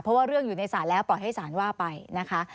เพราะว่าเรื่องอยู่ในศาลแล้วปล่อยให้ศาลว่าไปนะคะ